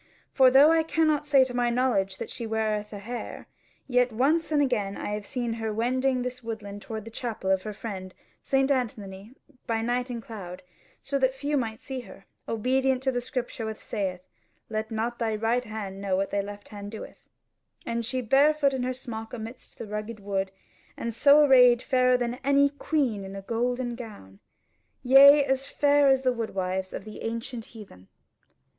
For though I cannot say to my knowledge that she weareth a hair; yet once and again have I seen her wending this woodland toward the chapel of her friend St. Anthony by night and cloud, so that few might see her, obedient to the Scripture which sayeth, 'Let not thy right hand know what thy left hand doeth,' and she barefoot in her smock amidst the rugged wood, and so arrayed fairer than any queen in a golden gown. Yea, as fair as the woodwives of the ancient heathen."